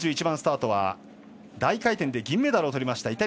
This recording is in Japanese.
３１番スタートは大回転で銀メダルをとりました